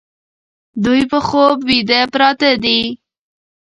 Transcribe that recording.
دوی په خوب ویده پراته دي